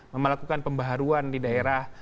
memelakukan pembaharuan di daerah